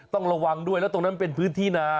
ต้องระวังด้วยแล้วตรงนั้นเป็นพื้นที่นา